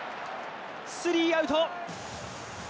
スリーアウト。